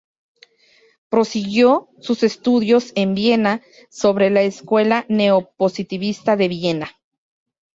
Prosiguió sus estudios en Viena sobre la escuela neo-positivista de Viena.